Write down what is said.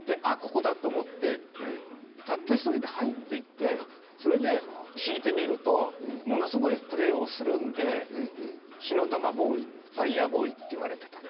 ここだ！と思ってたった一人で入っていってそれで弾いてみるとものすごいプレーをするんで火の玉ボーイファイアボーイって言われてた。